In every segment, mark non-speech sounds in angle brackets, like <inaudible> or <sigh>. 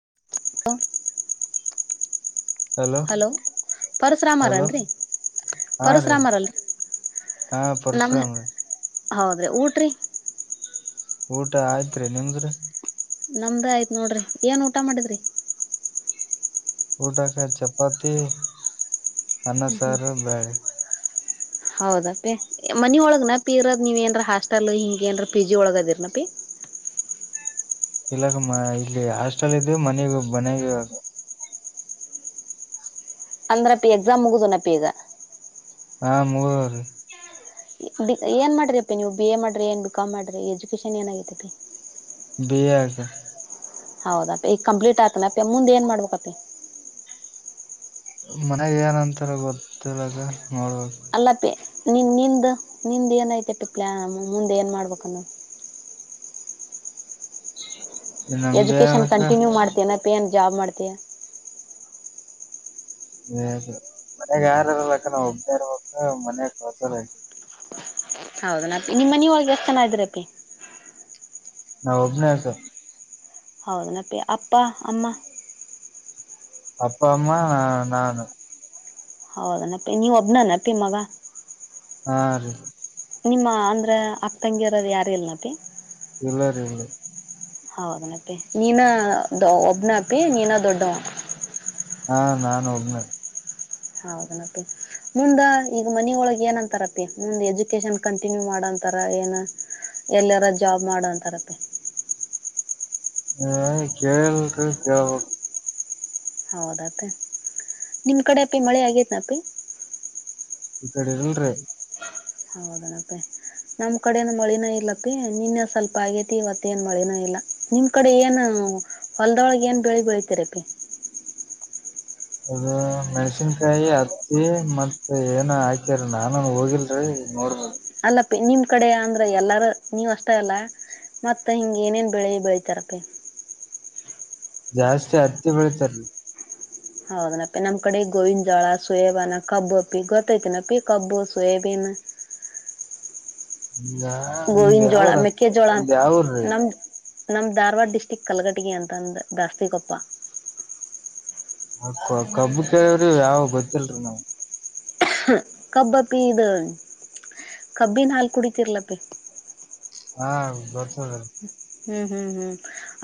ಹ <inaudible> hello hello ಪರಶುರಾಮರನ್ರಿ ಹಾ ರೀ ಪರಶುರಾಮರಲ್ರಿ ಹಾ ಪರಸುರಾಮ ಹೌದ್ರೀ ಊಟ್ರೀ ಊಟ ಆಯ್ತ್ರಿ ನಿಮ್ದ್ರ ನಮ್ಮದೇ ಆಯ್ತು ನೋಡಿರಿ ಏನು ಊಟ ಮಾಡಿದ್ರರಿ ಊಟಕ ಚಪಾತಿ ಅನ್ನಸಾರ ಬ್ಯಾಳೆ ಹೌದಪ್ಪಿ ಮನಿ ಒಳಗನಾ ಅಪಿ ಇರದ್ ನೀವ ಏನರ ಹಾಸ್ಟೆಲ್ ಹಿಂಗಗೆ ಏನ್ ಪಿಜಿ ಒಳಗ ಅದಿರನ ಅಪಿ <unintelligible> ಇಲ್ಲಾ ಅಕ್ಕ ಮ ಇಲ್ಲಿ ಹಾಸ್ಟೆಲ್ ಇದ ಮನಗ ಮನೆಾಗ ಅಂದ್ರಪ್ಪಿ ಎಕ್ಸಾಮ್ ಮುಗದುನಪ್ಪಿ ಈಗ ಹಾ ಮುಗ್ದರೀ ಡಿ ಏನ್ ಮಾಡ್ರಿ ಅಪ್ಪಿ ನೀವು ಬಿ ಎ ಮಾಡ್ರಿ ಏನ್ ಬಿಕಾಮ್ ಮಾಡಿರಿ ಎಜುಕೇಶನ್ ಏನಗೈತಿ ಅಪ್ಪಿ ಬಿ ಎಡ್ ಹೌದಪ್ಪ ಈಗ ಕಂಪ್ಲೀಟ್ ಆಯತಾನ ಅಪ್ಪ ಮುಂದೆ ಏನ್ ಮಾಡ್ಬೇಕ ಅಪ್ಪಿ ಮನ್ಯಾಗ ಏನಂತಾರ ಗೊತ್ತಿಲ್ಲದ ಅಲ್ಲ ಅಪ್ಪಿ ನಿನ್ ನಿಂದ ನಿಂದ ಏನಐತೆ ಅಪಿ ಪ್ಲಯಾನ್ ಮುಂದೆ ಏನ್ ಮಾಡ್ಬೇಕು ಅನ್ನದ ನಮ್ದ ಎಜುಕೇಶನ್ ಏನಕ್ಕ ಕಂಟಿನ್ಯೂ ಮಾಡ್ತೇನೆ ಅಪಿ ಏನ್ ಜಾಬ್ ಮಾಡ್ತೀಯ ಮನೆಗೆ ಯಾರ ಇಲ್ಲಕ್ಕ ಒಬ್ಬನೆ ಇರಬೇಕು ಮನೆಗೆ ಕಸಲ್ಲಾ <inaudible> ಹೌದ ನಿಮ್ಮನ ಒಳಗೆ ಎಷ್ಟ ಜನ ಇದ್ರ ಅಪ್ಪಿ ನಾ ಒಬ್ಬನೇ ಅಕ್ಕ ಹೌದನ ಪಿ ಅಪ್ಪ ಅಮ್ಮ ಅಪ್ಪ ಅಮ್ಮ ನಾನು ಹೌದ ನಪ್ಪಿ ನೀವ ಒಬ್ನ ನೆಪ್ಪಿ ಮಗ ಹಾ ರೀ ನಿಮ್ಮ ಅಂದ್ರೆ ಅಕ್ಕ ತಂಗಿರೋದು ಯಾರ ಇಲ್ಲ ಪಿ ಇಲ್ಲರಿ ಹೌದನಪ್ಪಿ ನೀನ ಒಬ್ನ ಅಪಿ ನೀನ ದೊಡ್ಡ ವ ಹಾ ನಾನು ಒಬ್ನ ಹೌದನಪ್ಪಿ ಮುಂದ ಈಗ ಮನಿಯ ಒಳಗ್ ಏನಂತಾರಪಿ ಮುಂದ್ ಎಜುಕೇಶನ್ ಕಂಟಿನ್ಯೂ ಮಾಡದ ಏನ ಎಲ್ಲಾರ ಜಾಬ್ ಮಾಡೋಂತರ ಅಪಿ ಹ ಕೇಳಿ ಡ್ರಿ ಕೇಳಬೇಕು ಹೌದ ಅಪಿ ನಿಮ್ ಕಡೆ ಅಪಿ ಮಳೆ ಆಗೇತ್ನ ಅಪಿ ಇ ಕಡೆ ಇಲ್ರಿ ಹೌದನ ಅಪಿ ನಮ್ ಕಡೆನ ಮಳಿನ ಇಲ್ಲಪ ನಿನ್ನೆ ಸ್ವಲ್ಪ ಆಗೇತಿ ಇವತ್ತ ಏನ್ ಮಳನ ಇಲ್ಲ ನಿಮ್ ಕಡೆ ಏನ ಹ ಹೊಲ್ದೊಳಗೆ ಏನ್ ಬೆಳಿ ಬೆಳತಿರ ಅಪ್ಪಿ ಅದು ಮೆಣಸಿನ್ಕಾಯಿ ಹತ್ತಿ ಮತ್ ಏನ ಹಾಕ್ಯಾರ ನಾನನ್ ಹೋಗಿಲ್ರಿ ನೋಡ್ಬೇಕ್ ಅಲ್ಲ ಅಪ್ಪಿನಿಮ್ಮ ಕಡೆ ಅಂದ್ರೆ ಎಲ್ಲಾರ ನೀವ ಅಷ್ಟ ಅಲ್ಲ ಮತ್ತ ಹಿಂಗ ಏನೇನ್ ಬೆಳಿ ಬೆಳತಾರ ಅಪ್ಪಿ ಜಾಸ್ತಿ ಹತ್ತಿ ಬೆಳಿತಾ ರಿ ಹೌದನಪ್ಪಿ ನಮ್ ಕಡೆ ಗೋವಿನ ಜೋಳ ಸೋಯೇಬಾನ ಕಬ್ಬು ಅಪ್ಪಿ ಗೊತ್ತೈತಿನಪ್ಪಿ ಕಬ್ಬು ಸೋಯೇಬೀನ್ ಹ್ ಈಗ ನಿಮ್ದ್ ಗೋವಿನ ಜೋಳ ಯಾವ್ರ ಮೆಕ್ಕೆ ಜೋಳ ನಿಮ್ದ್ ಯಾವ್ರಿ ನಮ್ಮ <inaudible> ನಮ್ಮ ಧಾರವಾಡ ಡಿಸ್ಟ್ರಿಕ್ ಕಲಘಟಗಿ ಅಂತಂದು ದಾಸ್ತಿಕೊಪ್ಪ ಅಕ್ಕ ಕಬ್ಬ ಕೇಳಿವ್ರ್ ಯಾವ ಗೊತ್ತಿಲ್ರಿ ನಾವ್ ಕಬ್ಬ ಅಪ್ಪಿ ಇದು ಕಬ್ಬಿನಿನ ಹಾಲ್ ಕುಡತಿರ್ಲಪ್ಪಿ ಹಾ ಗೊತಾದ ಹ್ಮ್ ಹ್ಮ್ ಹ್ಮ್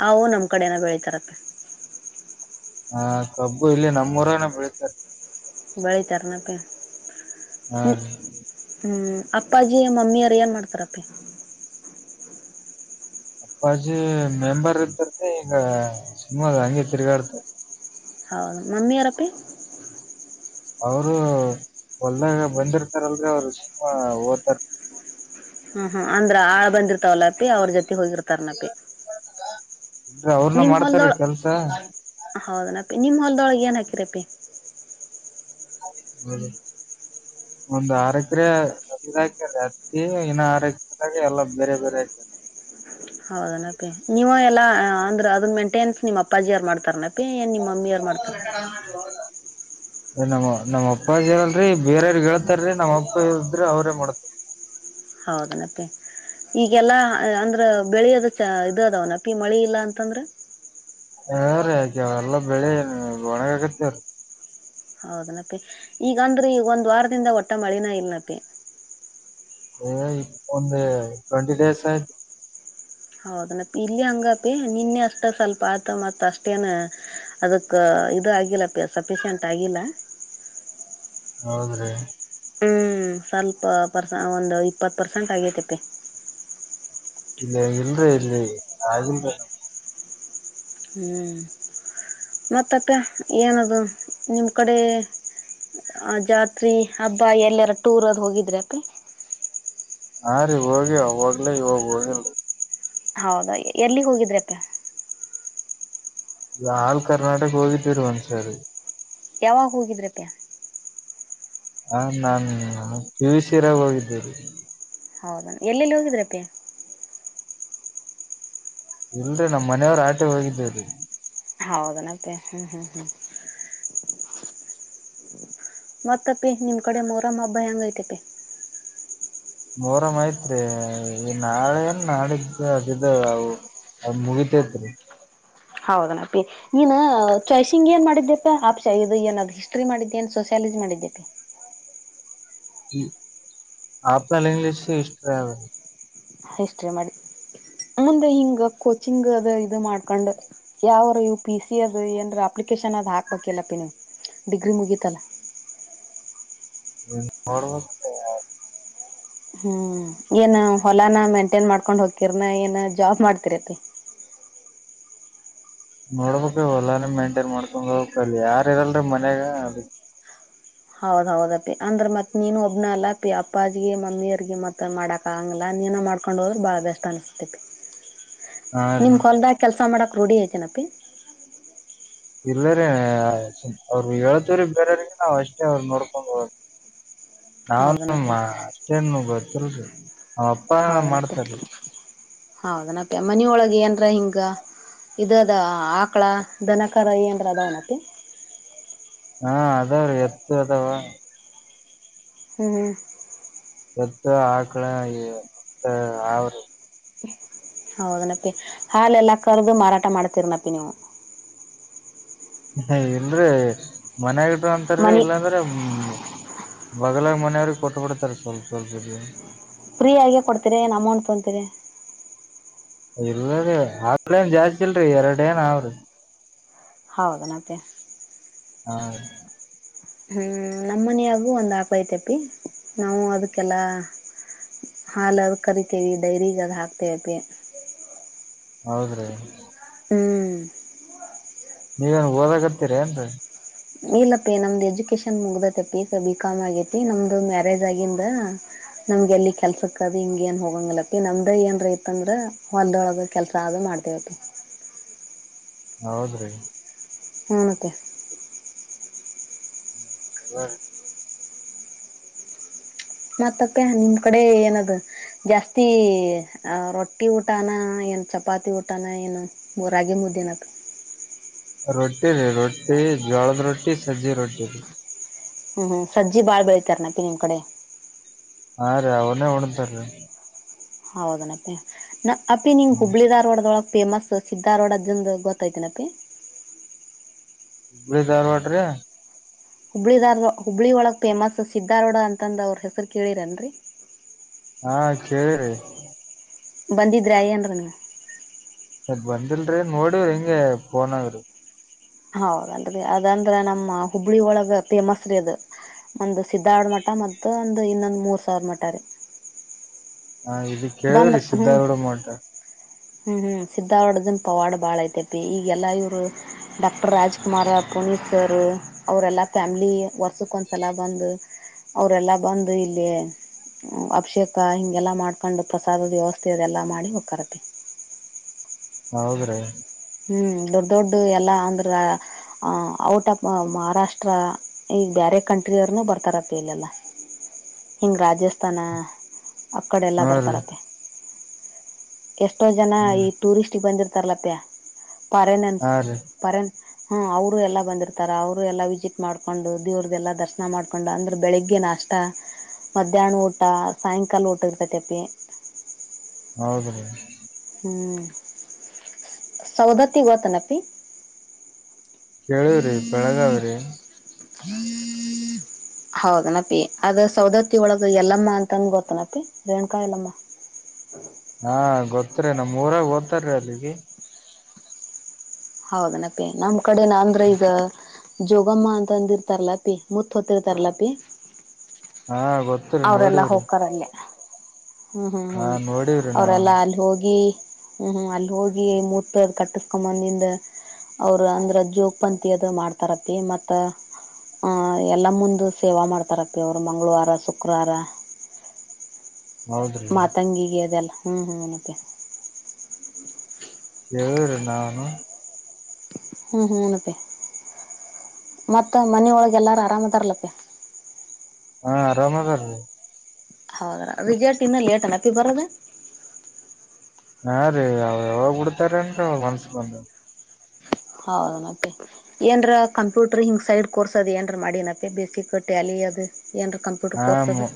ಅವು ನಮ್ ಕಡೆನ ಬೆಳಿತಾರಪ್ಪ ಹ ಕಬ್ಬು ಇಲ್ಲಿ ನಮ್ಮೂರಾನ ಬೆಳಿತಾರೆ ಬೆಳಿತರನಾಪ್ಪಿ ಹಾ ನೀ ರೀ ಹ್ಮ ಅಪ್ಪಾಜಿ ಮಮ್ಮಿಯರು ಏನ್ ಮಾಡ್ತಾರಾಪ್ಪಿ ಅಪ್ಪಾಜಿ ಮೆಂಬರ್ ಇತರ್ದೆ ಈಗ ಸಿನಮಾದ ಹಂಗೆ ತಿರ್ಗಾಡ್ತರೆ ಹೌದು ಮಮ್ಮಿ ಅರಪ್ಪಿ ಅವರು ಹೊಲ್ದಾಗ ಬಂದಿರ್ತಾರಲ್ರ ಅವ್ರು ಸುಮಾ ಓದ್ತಾರ ಹ ಅಂದ್ರ ಆಳ ಬಂದಿರ್ತಾವಲ್ಲ ಅಪಿ ಅವ್ರ ಜೊತೆ ಹೋಗಿರ್ತಾರನಪಿ ಇಲ್ರಿ ಅವ್ರನ ನಿಮ್ಮ ಮಾಡ್ತಾರೀ ಹೂಲ್ದಳ ಕೆಲ್ಸ ಹೌದನಪ್ಪಿ ನಿಮ್ಮ ಹೂಲ್ದಳಗೆ ಏನ್ ಆಗ್ಯಾರಪ್ಪಿ ಹ್ಮ ಒಂದು ಆರ ಎಕರೆ ಅಕ ಅತ್ತಿ ಇನ್ನ ಆರ ಎಕರೆದಾಗ ಎಲ್ಲ ಬೇರೆ ಬೇರೆ ಹಾಕ್ಯರೆ ಹೌದನಪಿ ನೀವ ಎಲ್ಲಾ ಅಂದ್ರೆ ಅದನ್ ಮೆಂಟೆನ್ಸ್ ನಿಮ್ಮ್ ಅಪ್ಪಾಜಿಯ ಯರು ಮಾಡ್ತಾರನಪ್ಪ ಮತ್ತೆ ಏನ್ ನಿಮ್ಮ ಮಮ್ಮಿ ಯಾರು ಮಾಡ್ತಾರ ಏ ನಮ್ಮ ನಮ್ಮ್ ಅಪ್ಪ ಹೇಳಲ್ರರಿ ಬೇರವ್ರ ಹೇಳ್ತಾರೀ ನಮ್ಮಪ್ಪ ಹೇಳದ್ರಿ ಅವ್ರೇ ಮಾಡತಾರ ಹೌದನಪ್ಪಿ ಈಗೆಲ್ಲಾ ಅಂದ್ರ ಬೆಳೆಯದ ಚ ಇದು ಅದ ಅವನಪ್ಪಿ ಮಳಿ ಇಲ್ಲ ಅಂತಂದ್ರೆ ಹ ಹ ರೀ ಯಾಕ ಅವ ಎಲ್ಲ ಬೆಳಿಏ ಒಣಗಕತ್ತೇವ್ರೀ ಹೌದನಪಿ ಈಗಂದ್ರೀ ಈ ಒಂದ ವಾರದಿಂದ ಒಟ್ಟ ಮಳಿನ ಇಲ್ಲನಪ್ಪಿ ಏ ಒಂದು ಟ್ವೆಂಟಿ ಡೇಸ್ ಆಯ್ತು ಹೌದನಪ ಇಲ್ಲಿ ಹಂಗಪಿ ನಿನ್ನೆ ಅಷ್ಟ ಸ್ವಲ್ಪ ಆತ ಮತ್ ಅಷ್ಟೇನ್ ಅದಕ್ಕೆ ಇದು ಆಗಿಲ್ಲ ಸಫಿಶಿಯಂಟ್ ಆಗಿಲ್ಲ ಹೌದ್ರಿ ಹ್ಞೂ ಸ್ವಲ್ಪ ಪರ್ಸ ಒಂದು ಇಪ್ಪತ್ತು ಪರ್ಸೆಂಟ್ ಆಗೈತೆ ಅಪ್ಪಿ ಇಲ್ಲ ಇಲ್ರಿ ಇಲ್ಲಿ ಆಗಿಲ್ರರಿ ಹ್ಮ್ ಮತ್ತಕ್ಕ ಏನದು ನಿಮ್ಮ ಕಡೆ ಜಾತ್ರಿ ಹಬ್ಬ ಎಲ್ಲರ ಟೂರದು ಹೋಗಿದ್ರೆ ಅಪ್ಪ ಹಾ ರೀ ಹೋಗಿ ಅವಾಗ್ಲ ಇವಾಗ ಹೋಗಿಲ್ರಿ ಹೌದಾ ಎಲ್ಲಿ ಹೋಗಿದ್ರೆಪ್ಪ ಈಗ ಆಲ್ ಕರ್ನಾಟಕ್ ಹೋಗಿದೀರಿ ಒಂದ್ಸರಿ ಯಾವಗ ಹೋಗಿದ್ರೆ ಪೆ ಹ ನಾನ್ ಪಿವು ಸರಾಗ ಹೋಗಿದ್ದೇರಿ ಹೌದಾ ಎಲ್ಲೆಲ್ಲಿ ಹೋಗಿದ್ರಪ್ಪೆ ಇಲ್ರರಿ ನಮ್ ಮನೆಯವ್ರ ಆಟೆ ಹೋಗಿದ್ದೇವ್ರೀ ಹೌದನಪ್ಪಿ ಹ್ಮ್ ಹ್ಮ್ ಹ್ಮ್ ಮತ್ತಪಿ ನಿಮ್ ಕಡೆ ಮೂರಮ್ಮ ಅಬ್ಬ ಹೆಂಗ ಐತೆಪಿ ಮೋರ್ ಆತ್ರಿ ಈ ನಾಳೆ ಏನ್ ನಾಡಿದ್ದ ಅದಿದ್ದಾವ ಅವು ಅದು ಮುಗಿತೇತ್ರಿ ಹೌದನಪ್ಪಿ ನೀನ್ ಚಾಯ್ಸಿಂಗ್ ಏನ್ ಮಾಡಿದ್ದ್ಯಪ್ಪಾ ಆಪ್ಷಾ ಇದು ಏನಾದ್ ಹಿಸ್ಟ್ರಿ ಮಾಡಿದ್ದೆ ನ್ ಸೋಸ ಇಲ್ ಮಾಡಿದ್ದ ಅಪ್ಪಿ ಇ ಆಪಲ್ ಇಂಗ್ಲಿಷ್ ಹಿಸ್ಟರಿ ಅದು ಹಿಸ್ಟ್ರಿ ಮಾಡಿ ಮುಂದೆ ಹಿಂಗ ಕೋಚಿಂಗ್ ಅದ ಇದು ಮಾಡ್ಕೊಂಡ್ ಯಾವರು ಯು ಪಿ ಸಿ ಅದ ಏನ್ ಅಪ್ಲಿಕೇಶನ್ ರ್ ಹಾಕ್ಬೇಕಲ್ಲಪ್ಪ ನೀವು ಡಿಗ್ರಿ ಮುಗಿತಲ್ಲ ಹ್ಮ ನೋಡ್ಬೇಕು ರಿ ಯಾ ಹ್ಮ್ ಏನ್ ಹೊಲಾನ ಮೇಂಟೇನ್ ಮಾಡ್ಕೊಂಡ್ ಹೋಗತಿರ್ನ ಏನ್ ಜಾಬ್ ಮಾಡ್ತಿರತಿ ಹ್ಮ ನೋಡ್ಬೇಕ ಹೊಲ್ಲಾನ ಮೇಂಟೈನ್ ಮಾಡ್ಕೊಂಡ್ ಹೋಗಬೇಕ ಅಲ್ಲಿ ಯಾರ ಇರಲ್ರಿೀ ಮನ್ಯಾಗ ಅದ ಹೌದ ಹೌದಪ್ಪಿ ಅಂದ್ರ ಮತ್ ನೀನು ಒಬ್ಬನ ಅಲ್ಲ ಪಿ ಅಪ್ಪಾಜಗ ಮಮ್ಮಿಯರ್ಿಗೆ ಮತ್ ಮಾಡಕ್ ಆಂಗಲ ಮನ ಮಾಡ್ಕೊಂಡ ಹೋದ್ರರು ಬಾಳ ಬೆಸ್ ಅನಿಸ್ತೇತಿ ಹಾ ರೀ ನಿಮ್ಗೆ ಹೊಲ್ದಾಗ ಕೆಲಸ ಮಾಡಕ್ಕೆ ರೂಢ ಐತೆನಪ್ಪಿ ಇಲ್ಲರಿೀ ಅವ್ರು ಹೇಳ್ತವ್ರೀ ಬೇರೆಯವ್ರಿಗೆ ನಾವವು ಅಷ್ಟೇ ಅವ್್ರ ನೋಡ್ಕೊಂಡರು ಹ ನಾವ ಅಷ್ಟೇನು ಗೊತ್ತಲ್ರಿ ನ ಅಪ್ಪಏ ಮಾಡ್ತಾರ ಹೌದನಪ್ಪೆ ಮನ ಒಳಗೆ ಏನ್ರ ಹಿಂಗ ಇ ಅದ ಆಕಳ ದನಕರಾಯ ಅಂದ್ರೆ ಅದ ಅವನಪ್ಪಿ ಹಾ ಅದಾವ್ರೀ ಎತ್ತು ಅದಾವ ಹ್ಮ್ ಎತ್ತ ಆಕಳ ಮತ್ತ ಆವರು ಹೌದನಪ್ಪಿ ಹಾಲೆಲ್ಲಾ ಕರ್ದು ಮಾರಾಟ ಮಾಡ್ತೀರನಪ್ಪಿ ನೀವು ಹ ಇಲ್ರಿ ಮನ್ಯಗಟ್್ರ ಅಂತಾರರಿ ಮನಿ ಇಲ್ಲಾಂದ್ರೆ ಹ್ಮ ಬಗಲಾಗ ಮನೆಯವ್ರಿಗೆ ಕೊಟ್ಟ ಬಿಿಡ್ತಾರೆ ಸ್ವಲ್ಪ ಸ್ವಲ್ಪ ಇ ಫ್ರೀಯಾಗೆ ಕೊಡ್ತೀರಿ ಏನು ಅಮೌಂಟ್ ತೊಂತೀರಿ ಇಲ್ಲದ ಆಲೇನ್ ಜಾಸ್ತಿಲ್ರರಿ ಎರಡ ಏನ್ ಅವ್ರಿ ಹೌದನತ್ತ ಹಾ ಹ್ಮ್ ನಮ್ಮನಿಯಾಗು ಒಂದ್ ಹಾಕೋತೆಪಿ ನಾವು ಅದಕ್ಕೆಲ್ಲ ಹಾಲದ ಕರಿತೇವಿ ಡೈರಿಗ ಅದ ಹಾಕ್ತೇವತಿ ಹೌದ್ರೀ ಹ್ಮ್ ನೀವೇನ್ ಓದಾಗತ್ತೀರಿ ಏನ್ರರಿ ಇಲ್ಲಪ್ಪಿ ನಮ್ದ್ ಎಜುಕೇಶನ್ ಮುಗ್ದತ ಪಿ ಬಿಿಕಾಮ್ ಆಗೇತಿ ನಮ್ದು ಮ್ಯಾರೇಜ್ ಆಗಿಂದ ನಮ್ಗೆ ಎಲ್ಲಿ ಕೆಲ್ಸಕ್ಕ ಅದು ಹಿಂಗ ಏನ್ ಹೋಗಂಗಲತ್ತತಿ ನಮ್ದ ಏನ್ ರೈತ ಅಂದ್ರ ಹೊಲ್ದೊಳಗ ಕೆಲ್ಸ ಆದ ಮಾಡಾರಿದೆ ಅದು ಹೌದ್ರಿ ಹನಂತೆ ಚಲ ಮತ್ತತ್ತೆ ನಿಮ್ ಕಡೆ ಏನದು ಜಾಸ್ತಿ ರೊಟ್ಟಿ ಊಟಾನ ಏನು ಚಪಾತಿ ಊಟಾನ ಏನು ಮೂ ರಾಗಿ ಮುದಿನದು ರೊಟಿ ರ ರೊಟಿ ಜಳದ ರೊಟಿ ಸಜಿ ರೊಟಿ ರ ಹ್ಮ್ ಹ್ಮ್ ಸಜ್ಜಿ ಬಾಳ್ಬಳಿ ತರರಣ ಇನ್ ಕಡೆ ಹಾ ರೀ ಅವನೇ ಹಣಂತಾರೀ ಹೌದನಪ್ಪೇ ನ ಅಪ್ಪಿ ನೀಂಗ್ ಹ್ಮ್. ಹುಬ್ಳಿ ದಾರ್ವಾಡದೊಳಗ್ ಫೇಮಸ್ ಸ್ಧಾರೋಡ್ ಅದ್ದಂದ ಗೊತ್ತೈ್ತನಪಿ ಹುಬಳ ದಾರವಾಡೆ ಹುಬ್ಳಿಿದಾರ್ ಹುಬ್ಳಿ ಒಳಗ್ ಫೇಮಸ್ ಸಿದ್ದಾರೋಡ ಅಂತಂದ ಅವ್ರ ಹೆಸರು ಕೇಳಿರನ್ರರಿ ಹಾ ಕೇಳಿ್ರೀ ಬಂದಿಿದ್ರಾಯನ್ ರಮ ಬಂದಿಲ್ರರಿ ನೋಡವ್ರಿ ಹಿಂಂಗಗೆ ಫೋನ್ಗ್ರಿ ಹೌದಂದ್ರೆ ಅದಂದ್ರ ನಮ್ಮ ಹುಬ್ಳಿ ಒಳಗ ಫೇಮಸ್ ರೀ ಅದು ಒಂದು ಸ್ಧಾರ್ಡ್ ಮಠ ಮ ಒಂದು್ ಇನ್ನೊಂದ್ ಮೂರ್ ಸಾವಿರ ಮಠ ರೀ ಹಾ ಇದ ಬಂದ್ರ ಕೇಳವ್ರಿ ಹ್ಮ್ ಸ್ಧಾರ್ಡ ಮಾಡಟ ಹ್ಮ್ ಹ್ಮ್ ಸಿದ್ದವಾಡ್ದನ್ ಪವಾಡ್ ಬಾಳ ಐತೆತಿ ಈಗೆಲ್ಲಾ ಇವ್ರು ಡಾಕ್ಟರ್ ರಾಜ್ಕುಮಾರ್ ಪುನೀತ್ ಸರ್ ಅವರೆಲ್ಲ ಫ್ಯಾಮ್ಲಿ ವರ್ಷಕ್ಕೆ ಒಂದ್ಸಲ ಬಂದು ಅವರೆೆಲ್ಲಾ ಬಂದು ಇಲ್ಲಿ ಅಭಿಷೇಕ ಹಿಂಗೆಲ್ಲಾ ಮಾಡ್ಕೊಂಡು ಪ್ರಸಾದದ ವ್ಯವಸ್ಥೆ ಅದೆಲ್ಲಾ ಮಾಡಿ ಹೋಗ್ರತ್ತ ಹೌದ್ರೀ ಹ್ಮ್ ದೊಡ್ಡ ದೊಡ್ಡ ಎಲ್ಲಾ ಅಂದ್ರ ಔಟ್ ಆಫ್ ಮಹಾರಾಷ್ಟ್ರ ಈಗ ಕಂ ಬ ಇ ಹಾನ ಅಕ್ಕಡೆ ಎಲ್ಲ ಹಾ ರೀ ಬರ್ತಾರತ್ತ ಎಷ್ಟೋ ಜನ ಈ ಹ್ಮ್ ಟೂರಿಸ್ಟಗೆ ಬಂದಿರ್ತಾರಲತ ಪರೆನೆನ್ಸ್ ಹಾ ರೀ ಪರೆನ್ಸ್ ಹಾ ಅವರು ಎಲ್ಲಾ ಬಂದಿರ್ತಾರ ಅವರು ಎಲ್ಲ ವಿಸಿಟ್ ಮಾಡ್ಕೊಂಡು ದೇವ್ರ್ದಲ್ಲಾ ದರ್ಶನ ಮಾಡ್ಕೊಂಡು ಅಂದ್ರೆ ಬೆಳಿಗ್ಗೆ ನಷ್ಟ ಮಧ್ಯಾಹ್ನ ಊಟ ಸಾಯಂಕಾಲ ಊಟ ಇರ್ತೈತಿಿ ಹೌದ್ರೀ ಹ್ಮ ಸೌದತಿ ಒತನಪ ಕೇಳುವ್ರಿ ಬೆಳಗಾವ್ರಿ ಹ್ಮ ಹೌದನಪಿ ಅದ ಸೌದತ್ತಿ ಒಳಗ ಎಲ್ಲಮ್ಮ ಅಂತಂದ ಗೊತ್ತನಪಿ ರೇಣಕಾಯ ಎಲ್ಲಮ್ಮ ಹ ಹಾ ಗೊತ್ತರಿ ನಮ್ೂರಾಗ ಓತಾರೀ ಅಲ್ಲಿಗೆ ಹೌದನಪ್ಪೇ ನಮ ಕಡೆನ ಅಂದ್ರೆ ಈಗ ಜೋಗಮ್ಮ ಅಂತ ಅಂದ ಇರ್ತಾರಲ್ಲಪಿ ಮುತ್ತ ಹೊತ್ತರ್ತಾರಲ್ಲಪಿ ಹಾ ಗೊತ್ತರಿೀ ನೋಡಿದ್ರಿ ಅಲ್ಲೇ ಹ್ಮ್ ಹ್ಮ್ ಹ್ಮ್ ನೋಡಿವ್ರಿ ನಾವ ಅವ್ರಲ್ಲಾ ಅಲ್ಲಿ ಹೋಗಿ ಹ್ಮ್್ಮ್ ಅಲ್ಲಿ ಹೋಗಿ ಮೂತ ಅದ ಕಟ್ಟಸ್ಕೊಂದಿಂದ ಅವರು ಅಂದ್ರ ಜೋೋಗಪಂತಿ ಅದು ಮಾಡ್ತಾರತಿ ಮತ್ತ ಆ ಎಲ್ಲ ಮುಂದ ಸೇವಾ ಮಾಡ್ತಾರಪ್ಪಿ ಅವರು ಮಂಗಳವಾರ ಶುಕ್ರವಾರ ಹೌದ್ರಿ ಮಾತಂಗಂಗಿಗೆ ಅದಲ್ಲ ಹ್ಮ್ ಹ್ಮ ಮಂತೆ ಹೇಳ್ರಿ ನಾವನು ಹ್ಮಞ ಹ್ಮ ಇಂತೆೇ ಮತ್ತ ಮನೊಳಗೆ ಎಲ್ಲಾರು ಆರಾಮದರ್ಲಕ್ಕೆ ಹಾ ರರಾಮಗ ರೀ ಹೌದ್ರ ರಿಗೇಟ್ ಇನ್ನ ಲೇಟ್ ಅನತಿ ಬರದ ಹಾ ರೀ ಅವ ಯಾವಾಗ ಬಿಡ್ತಾರನ್ ಮನ್ಸ್ಕೊಂಡ ಹೌದು ಮತ್ತೆ ಏನ್ರ ಕಂಪ್ಯೂಟರ್ ಹಿಂಗ್ ಸೈಡ್ ಕೋರ್ಸ್ ಅದ ಏನ್ರ ಮಾಡೀನತ್ತೆ ಬೇಸಿಕ್ಟ್ಟೆ ಅಾಲ ಅದು ಏನರ ಕಂಪ್ಯೂಟ್ರ್ ಹಾ ಕೋರ್ಸ್ ಅದು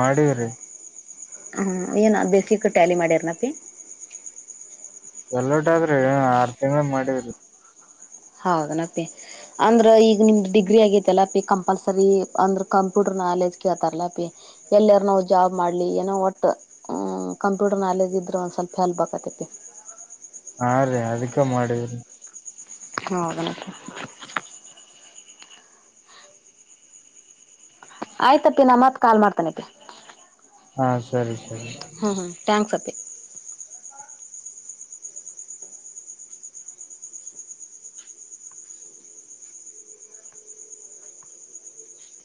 ಮಾಡಿವ್ರಿ ಹಾಞ ಏನು ಬೇಸಿಗೆ ಟ್ಯಾಲಿ ಮಾಡಿನಪ್ಪಿ ಎಲ್ಲೋಟ ಆದ್ರೆ ಆರ್ ತಿಂಗಳ ಮಾಡಿದಿ ಹೌದನಪ್ಪಿ ಅಂದ್ರ ಈಗ ನಿಮ್ದ್ ಡಿಗ್ರಿ ಆಗೇತೆಲ್ಲಪಿ ಕಂಪಲ್ಸರಿ ಅಂದ್ರ ಕಂಪ್ಯೂಟರ್ ನಾಲೆಜ್ ಕೇಳ್ತಾರಲ್ಲಾಪಿ ಎಲ್ಲಾರ್ ನೋವು ಜಾಬ್ ಮಾಡ್ಲಿ ಏನೋ ಒಟ್್ ಕಂಪ್ಯೂಟರ್ ನಾಲೆಜ್ ಇದ್ರೆ ಒಂದ್ ಸ್ವಲ್ಪ ಹೆಲ್ಪ್ ಆಾಕತತಿ ಹ ಹಾ ರೀ ಅದಕ್ಕೆ ಮಾಡಿವ್ರಿ ಹದಕ ಆಯ್ತಪ್ಪಿ ನಾ ಮತ್ತ್ ಕಾಲ್ ಮಾಡ್ತಾನಪಿ ಹಾ ಸರಿ ಸರಿ ಹಾಂ ಹಾಂ ಥ್ಯಾಂಕ್ಸ್ ಅತ್ತೆ